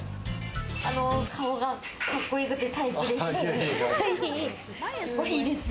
あの、顔がかっこよくてタイプです。